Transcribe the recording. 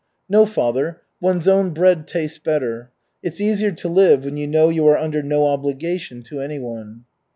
"No, father, one's own bread tastes better. It's easier to live when you know you are under no obligations to anyone."